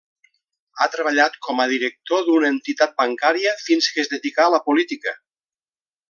Ha treballat com a director d'una entitat bancària fins que es dedicà a la política.